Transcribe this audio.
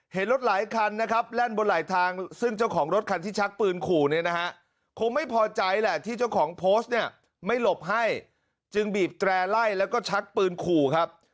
เห็นรถหลายคันนะครับแล่นบนหลายทางซึ่งเจ้าของรถคันที่ชักปืนขู่เนี่ยนะฮะคงไม่พอใจแหละที่เจ้าของโพสต์เนี่ยไม่หลบให้จึงบีบแตร่ไล่แล้วก็ชักปืนขู่ครับ